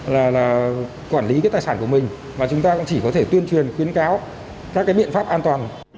là quản lý cái tài sản của mình mà chúng ta cũng chỉ có thể tuyên truyền khuyến cáo các cái biện pháp an toàn